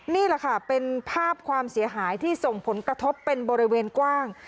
นี่แหละค่ะเป็นภาพความเสียหายที่ส่งผลกระทบเป็นบริเวณกว้าง